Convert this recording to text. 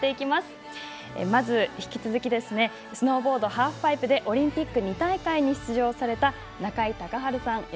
まず、引き続きスノーボード・ハーフパイプでオリンピック２大会に出場された中井孝治さん。